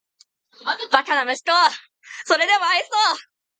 バカな息子をーーーーそれでも愛そう・・・